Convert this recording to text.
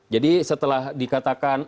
jadi setelah dikatakan